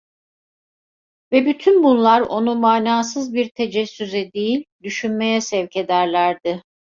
Ve bütün bunlar onu manasız bir tecessüse değil, düşünmeye sevk ederlerdi.